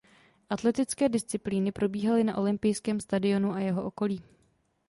Atletické disciplíny probíhaly na olympijském stadionu a jeho okolí.